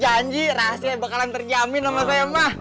janji rahasinya bakalan terjamin sama saya mas